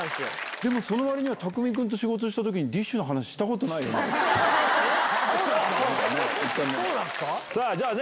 でもそのわりには、匠海君と仕事したときに、ＤＩＳＨ／／の話したことないよね？